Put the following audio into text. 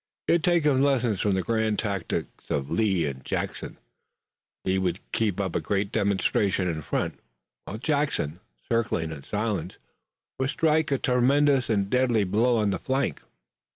He had taken lessons from the grand tactics of Lee and Jackson. Lee would keep up a great demonstration in front, while Jackson, circling in silence, would strike a tremendous and deadly blow on the flank.